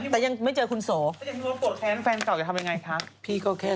แต่ยังไม่เจอคุณโส